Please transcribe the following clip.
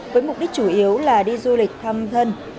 với mục đích chủ yếu là đi du lịch thăm thân